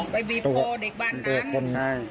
ไปบีบโภเด็กบ้านกัน